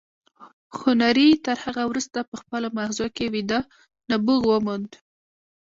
هنري تر هغه وروسته په خپلو ماغزو کې ویده نبوغ وموند